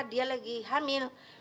dia lagi hamil